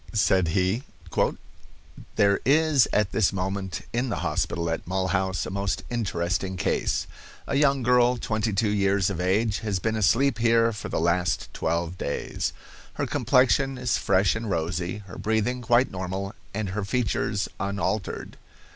Said he: "There is at this moment in the hospital at Mulhouse a most interesting case. A young girl twenty two years of age has been asleep here for the last twelve days. Her complexion is fresh and rosy, her breathing quite normal, and her features unaltered.